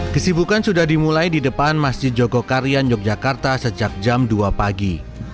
kesibukan sudah dimulai di depan masjid jogokarian yogyakarta sejak jam dua pagi